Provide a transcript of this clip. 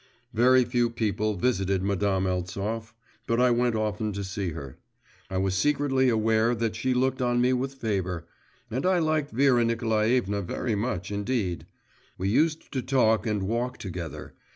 …' Very few people visited Madame Eltsov; but I went often to see her. I was secretly aware that she looked on me with favour; and I liked Vera Nikolaevna very much indeed. We used to talk and walk together.